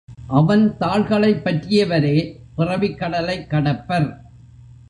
அவன் தாள்களைப் பற்றியவரே பிறவிக் கடலைக் கடப்பர்.